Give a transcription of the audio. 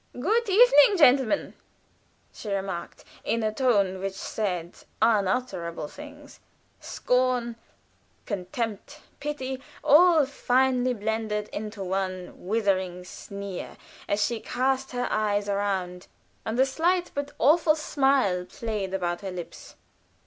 "Good evening, gentlemen," she remarked, in a tone which said unutterable things scorn, contempt, pity all finely blended into a withering sneer, as she cast her eyes around, and a slight but awful smile played about her lips.